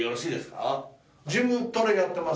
ジムトレやってます。